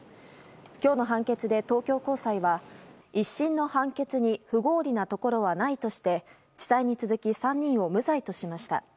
今日の判決で東京高裁は１審の判決に不合理なところはないとして地裁に続き３人を無罪としました。